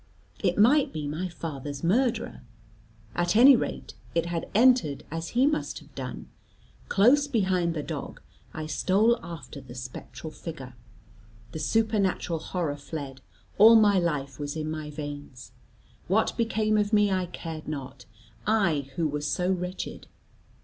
It might be my father's murderer. At any rate it had entered as he must have done. Close behind the dog I stole after the spectral figure. The supernatural horror fled; all my life was in my veins. What became of me I cared not, I who was so wretched.